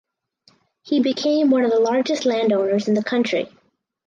He became one of the largest landowners in the country.